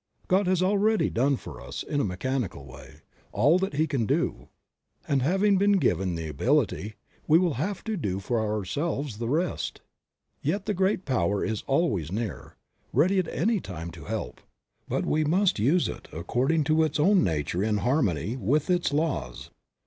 God has already done for us — in a mechanical way — all that He can do ; and having been given the ability, we will have to do for ourselves the rest. Yet the Great Power is always near, ready at any time to help, but we must use it according to its own nature in harmony with its laws.